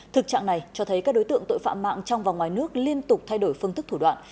thực trạng này cho thấy các đối tượng tội phạm mạng trong và ngoài nước liên tục thay đổi phương thức thủ đoạn